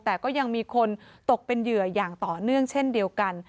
แต่ก็ยังมีคนตกเป็นเหยื่ออย่างต่อเนื่องเช่นเดียวกัน